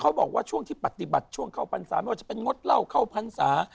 บอกว่าช่วงที่ปฏิบัติช่วงเข้าพรรษาไม่ว่าจะเป็นงดเหล้าเข้าพรรษา